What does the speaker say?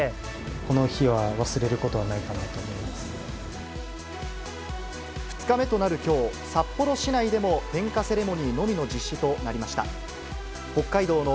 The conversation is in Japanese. この日は忘れることはないか２日目となるきょう、札幌市内でも点火セレモニーのみの実施となりました。